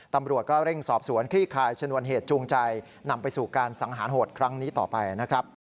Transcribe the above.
ตำรวจก็เร่งสอบสวนคลี่คายชนวนเหตุจูงใจนำไปสู่การสังหารโหดครั้งนี้ต่อไปนะครับ